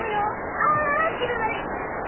あ気分いい！